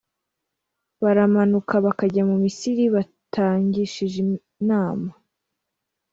Baramanuka bakajya mu Misiri batangishije inama,